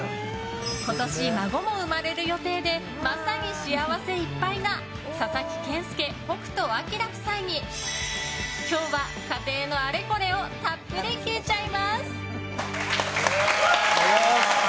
今年、孫も生まれる予定でまさに幸せいっぱいな佐々木健介、北斗晶夫妻に今日は家庭のあれこれをたっぷり聞いちゃいます！